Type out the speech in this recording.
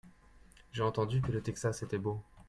J'ai entendu que le Texas était beau.